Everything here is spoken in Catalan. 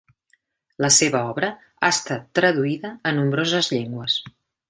La seva obra ha estat traduïda a nombroses llengües.